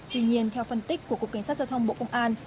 tuy nhiên theo phân tích của cục cảnh sát giao thông bộ công an